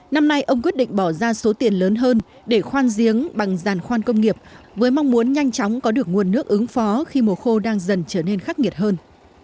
năm nay ông quyết định bỏ ra số tiền lớn hơn để khoan giếng bằng giàn khoan công nghiệp với mong muốn nhanh chóng có được nguồn nước ứng phó khi mùa khô đang dần trở nên khắc nghiệt hơn